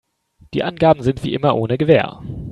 Die Angaben sind wie immer ohne Gewähr.